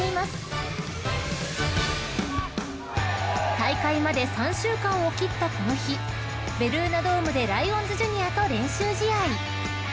［大会まで３週間を切ったこの日ベルーナドームでライオンズジュニアと練習試合］